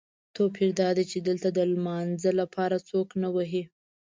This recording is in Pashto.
توپیر دادی چې دلته د لمانځه لپاره څوک نه وهي.